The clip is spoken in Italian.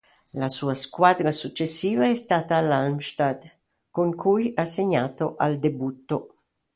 La sua squadra successiva è stata l'Halmstad, con cui ha segnato al debutto.